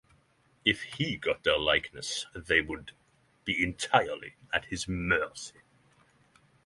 If he got their likenesses they would be entirely at his mercy.